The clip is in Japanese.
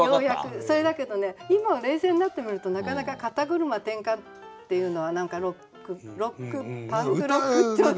それだけどね今冷静になって見るとなかなか「肩車点火」っていうのはロックパンクロック調の。